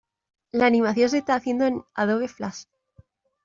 La animación se está haciendo en Adobe Flash.